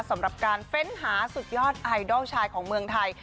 สำหรับการเฟ้นหาสุดยอดไอดอลชายของเมืองไทย